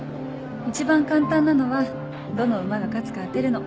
一番簡単なのはどの馬が勝つか当てるの。